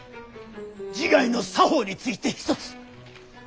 自害の作法についてひとつ。